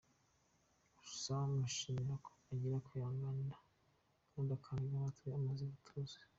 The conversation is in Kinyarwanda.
Gusa mushimira ko agira kwihangana kandi akantega amatwi iyo amaze gutuza.